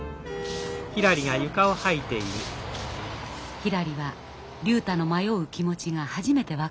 ひらりは竜太の迷う気持ちが初めて分かる気がしました。